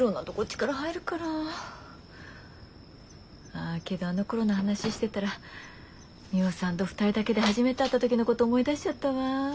あけどあのころの話してたらミホさんと２人だけで初めて会った時のこと思い出しちゃったわ。